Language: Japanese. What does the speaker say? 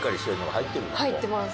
入ってます！